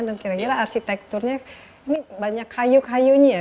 dan kira kira arsitekturnya ini banyak kayu kayunya ya